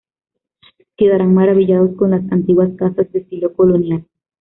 Quedarán maravillados con las antiguas casas de estilo colonial.